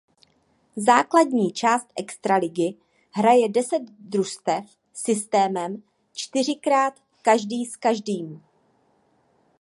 Základní část extraligy hraje deset družstev systémem čtyřikrát každý s každým.